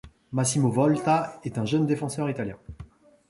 Massimo Volta est un jeune défenseur italien.